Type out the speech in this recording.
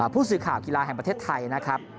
ผู้สื่อข่าวกีฬาแห่งประเทศไทยนะครับ